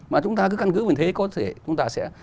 mà chúng ta cứ căn cứ như thế có thể chúng ta sẽ